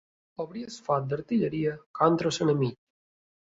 Obrir el foc d'artilleria contra l'enemic.